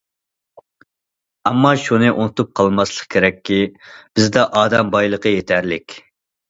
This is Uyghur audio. ئەمما، شۇنى ئۇنتۇپ قالماسلىق كېرەككى، بىزدە ئادەم بايلىقى يېتەرلىك.